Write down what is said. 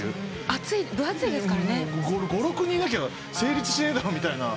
５６人いなきゃ成立しねえだろみたいな。